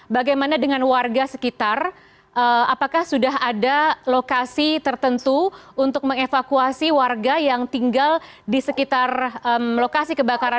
bagaimana dengan warga sekitar apakah sudah ada lokasi tertentu untuk mengevakuasi warga yang tinggal di sekitar lokasi kebakaran